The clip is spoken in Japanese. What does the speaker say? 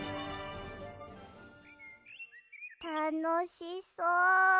たのしそう。